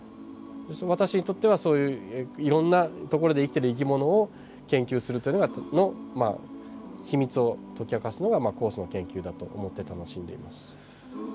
私にとってはそういういろんな所で生きてる生き物を研究するというのがまあ秘密を解き明かすのがまあ酵素の研究だと思って楽しんでいます。